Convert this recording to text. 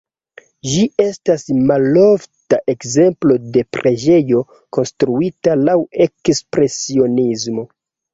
Ĝi estas malofta ekzemplo de preĝejo konstruita laŭ ekspresionismo.